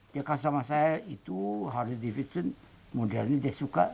dia kasih sama saya itu harley davidson model ini dia suka